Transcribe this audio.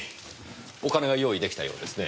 お金が用意出来たようですね。